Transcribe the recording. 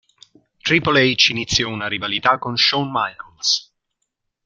Triple H iniziò una rivalità con Shawn Michaels.